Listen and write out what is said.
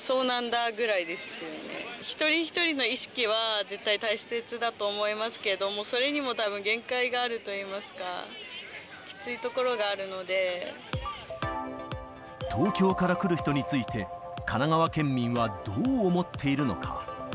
あー、一人一人の意識は、絶対大切だと思いますけれども、それにもたぶん限界があるといいますか、東京から来る人について、神奈川県民はどう思っているのか。